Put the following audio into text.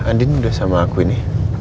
andin udah sama aku ini